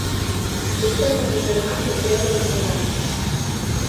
Сістэму інтэрнатаў трэба развіваць.